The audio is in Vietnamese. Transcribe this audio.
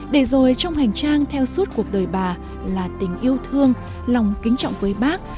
để rồi trong hành trang theo suốt cuộc đời bà là tình yêu thương lòng kính trọng với bác